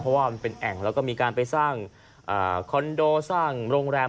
เพราะว่ามันเป็นแอ่งแล้วก็มีการไปสร้างคอนโดสร้างโรงแรม